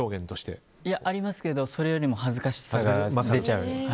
ありますけどそれよりも恥ずかしさが出ちゃう。